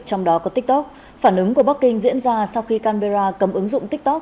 trong đó có tiktok phản ứng của bắc kinh diễn ra sau khi canberra cấm ứng dụng tiktok